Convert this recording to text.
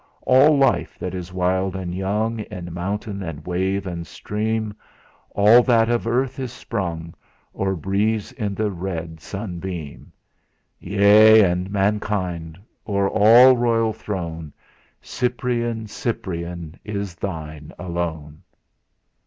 All life that is wild and young In mountain and wave and stream All that of earth is sprung, Or breathes in the red sunbeam; Yea, and Mankind. O'er all a royal throne, Cyprian, Cyprian, is thine alone!"